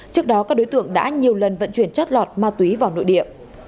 trước đó các đối tượng đã nhiều lần vận chuyển chót lọt ma túy vào nội địa